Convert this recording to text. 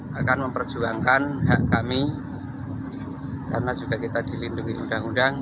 akan memperjuangkan hak kami karena juga kita dilindungi undang undang